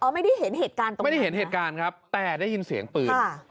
ไม่ได้เห็นเหตุการณ์ตรงนั้นไม่ได้เห็นเหตุการณ์ครับแต่ได้ยินเสียงปืน